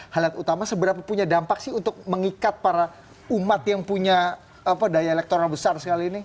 hal yang utama seberapa punya dampak sih untuk mengikat para umat yang punya daya elektoral besar sekali ini